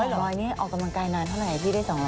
๒๐๐เหรอนี่เอากำลังกายนานเท่าไหร่พี่ได้๒๐๐